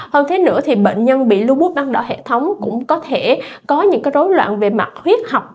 hơn thế nữa thì bệnh nhân bị lưu bút băng đỏ hệ thống cũng có thể có những rối loạn về mặt huyết học